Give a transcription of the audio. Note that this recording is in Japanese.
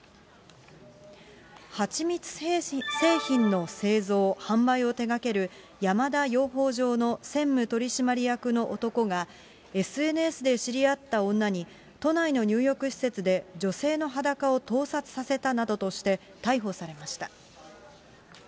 蜂蜜製品の製造・販売を手がける山田養蜂場の専務取締役の男が、ＳＮＳで知り合った女に都内の入浴施設で女性の裸を盗撮させたなどとして、逮捕されました。